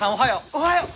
おはよう！